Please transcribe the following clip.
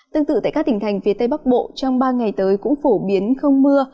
tương tự tại các tỉnh thành phía tây bắc bộ trong ba ngày tới cũng phổ biến không mưa